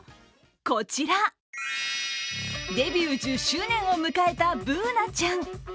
こちらデビュー１０周年を迎えたＢｏｏｎａちゃん。